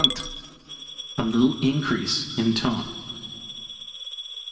_ a little increase in tone.